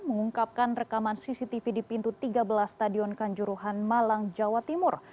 mengungkapkan rekaman cctv di pintu tiga belas stadion kanjuruhan malang jawa timur